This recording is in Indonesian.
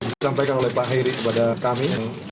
disampaikan oleh pak heri kepada kami